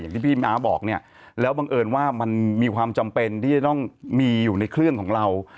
ที่พี่ม้าบอกเนี่ยแล้วบังเอิญว่ามันมีความจำเป็นที่จะต้องมีอยู่ในเครื่องของเรา